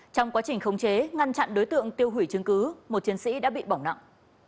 trong quá trình khống chế ngăn chặn đối tượng tiêu hủy chứng cứ một chiến sĩ đã bị bỏng nặng